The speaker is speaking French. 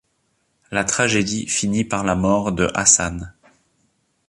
La tragédie finit par la mort de Hassan.